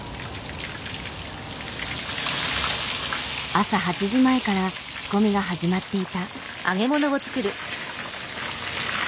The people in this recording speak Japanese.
朝８時前から仕込みが始まっていた。